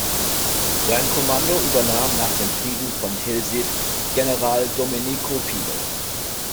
Sein Kommando übernahm nach dem Frieden von Tilsit General Domenico Pino.